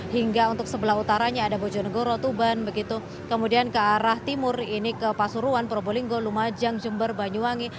hingga untuk sebelah utaranya ada bojonegoro tuban kemudian ke arah timur ini ke pasuruan probolinggo lumajang jember banyuwangi